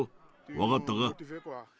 分かったか？